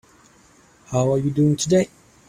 How are you doing today?